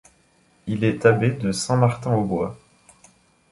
Il est abbé deSaint-Martin-aux-Bois.